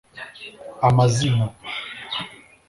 Amazina